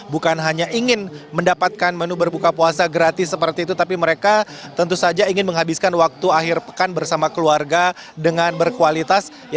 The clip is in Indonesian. bukan hanya ingin mendapatkan menu berbuka puasa gratis seperti itu tapi mereka tentu saja ingin menghabiskan waktu akhir pekan bersama keluarga dengan berkualitas